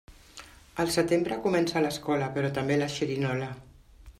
Al setembre comença l'escola, però també la xerinola.